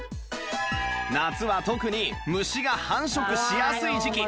夏は特に虫が繁殖しやすい時期